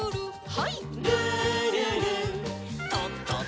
はい。